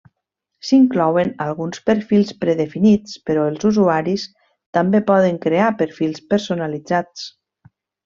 S'inclouen alguns perfils predefinits, però els usuaris també poden crear perfils personalitzats.